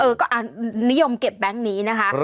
นิยมเก็บแบงค์นี้นะคะ